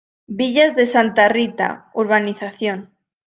Villas de Santa Rita, Urb.